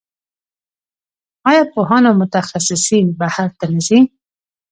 آیا پوهان او متخصصین بهر ته نه ځي؟